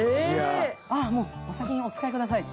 もうお先にお使いくださいって。